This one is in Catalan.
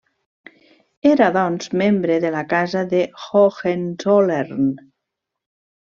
Era, doncs, membre de la Casa de Hohenzollern.